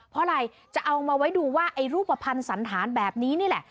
เพราะอะไรจะเอามาไว้ดูว่าไอ้รูปภัณฑ์สันธารแบบนี้นี่แหละ